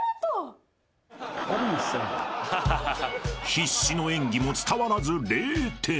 ［必死の演技も伝わらず］